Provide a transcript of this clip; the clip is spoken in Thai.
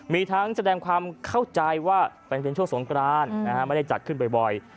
มีทั้งแสดงความเข้าใจว่าเป็นช่วงสงกรานไม่ได้จัดขึ้นบ่อย